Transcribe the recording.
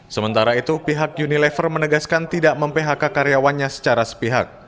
sementara itu pihak unilever menegaskan tidak mem phk karyawannya secara sepihak